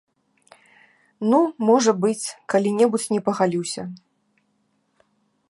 Ну, можа быць, калі-небудзь не пагалюся.